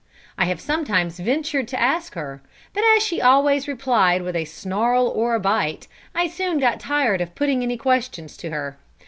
I have sometimes ventured to ask her; but as she always replied with a snarl or a bite, I soon got tired of putting any questions to her.